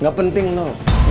gak penting lu